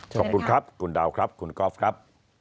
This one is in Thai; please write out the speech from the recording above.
ขอบคุณครับคุณดาวครับคุณกอล์ฟครับ